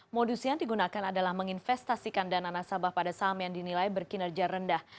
modus yang digunakan adalah menginvestasikan dana nasabah pada saham yang dinilai berkinerja rendah